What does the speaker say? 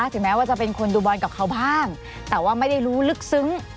ถึงแม้ว่าจะเป็นคนดูบอลกับเขาบ้างแต่ว่าไม่ได้รู้ลึกซึ้ง